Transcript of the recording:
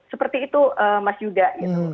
seperti itu mas yuda gitu